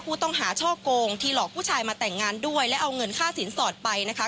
ข้อหาช่อโกงที่หลอกผู้ชายมาแต่งงานด้วยและเอาเงินค่าสินสอดไปนะคะ